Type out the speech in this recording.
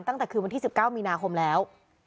ตั้งแต่คืนวันที่๑๙มีนาคมแล้ว